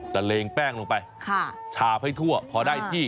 เลงแป้งลงไปชาบให้ทั่วพอได้ที่